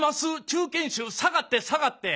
中堅手下がって下がって。